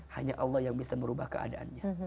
hanya allah yang bisa merubah keadaannya